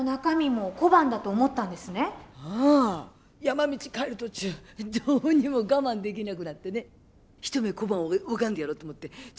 山道帰る途中どうにも我慢できなくなってね一目小判を拝んでやろうと思ってつづらの蓋開けたんだ。